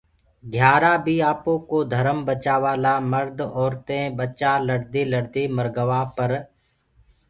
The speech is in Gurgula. گھيآرآ بيٚ آپوڪو ڌرم بچآوآ لآ مڙد اورتينٚ ٻچآ لڙدي لڙدي مرگوآ پر